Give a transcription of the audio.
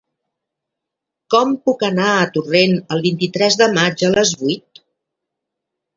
Com puc anar a Torrent el vint-i-tres de maig a les vuit?